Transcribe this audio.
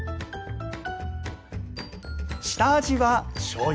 下味はしょうゆ。